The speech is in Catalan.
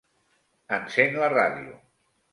Encén la ràdio.